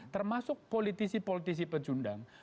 termasuk politisi politisi pecundang